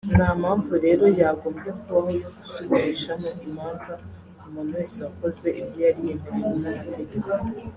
nta mpamvu rero yagombye kubaho yo gusubirishamo imanza ku muntu wese wakoze ibyo yari yemerewe n’amategeko